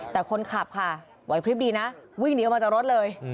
แต่คนขับค่ะไหวพลิบดีนะวิ่งหนีออกมาจากรถเลย